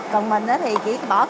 còn mình thì chỉ bỏ cậu